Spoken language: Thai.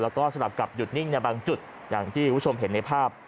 แล้วก็สลับกับหยุดนิ่งในบางจุดอย่างที่คุณผู้ชมเห็นในภาพ